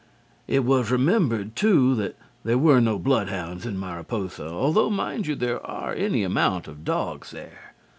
It was remembered, too, that there were no bloodhounds in Mariposa, although, mind you, there are any amount of dogs there.